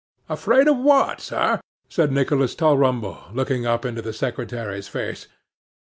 'Afraid of what, sir?' said Nicholas Tulrumble, looking up into the secretary's face.